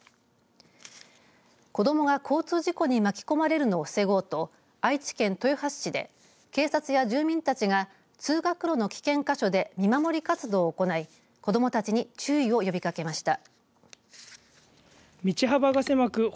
子どもが交通事故に巻き込まれるのを防ごうと愛知県豊橋市で警察や住民たちが通学路の危険箇所で見守り活動を行い子どもたちに注意を呼びかけました。